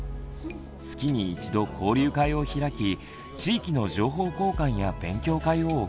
月に一度交流会を開き地域の情報交換や勉強会を行っています。